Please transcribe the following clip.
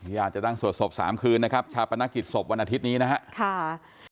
อยากจะสดสบ๓คืนนะครับชาปรนกฤษวันอาทิตย์นี้นะค่ะ